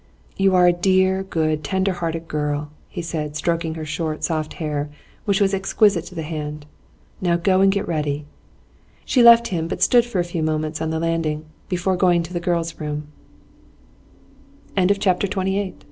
'You are a dear, good, tender hearted girl,' he said, stroking her short, soft hair, which was exquisite to the hand. 'Now go and get ready.' She left him, but stood for a few moments on the landing before going to th